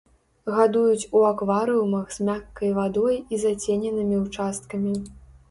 Гадуюць у акварыумах з мяккай вадой і зацененымі ўчасткамі.